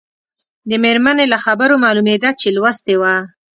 د مېرمنې له خبرو معلومېده چې لوستې وه.